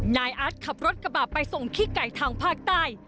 นายอาร์ตขับรถกระบะไปส่งขี้ไก่ทางภาคใต้